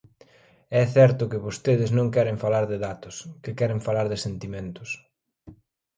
É certo que vostedes non queren falar de datos, que queren falar de sentimentos.